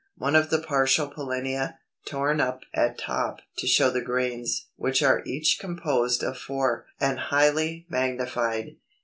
One of the partial pollinia, torn up at top to show the grains (which are each composed of four), and highly magnified.